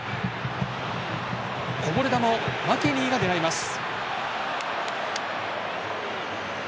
こぼれ球をマケニーが狙います。